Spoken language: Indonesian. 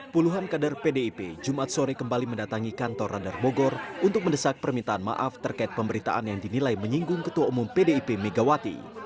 puluhan kader pdip jumat sore kembali mendatangi kantor radar bogor untuk mendesak permintaan maaf terkait pemberitaan yang dinilai menyinggung ketua umum pdip megawati